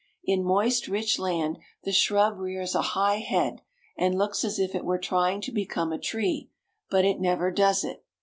In moist, rich land, the shrub rears a high head, and looks as if it were trying to become a tree; but it never does it.